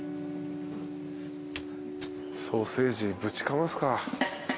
ソーセージぶちかますか。